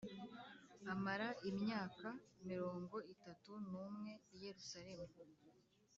amara imyaka mirongo itatu n umwe i Yerusalemu